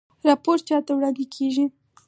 راپور چا ته وړاندې کیږي؟